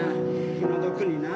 気の毒にな。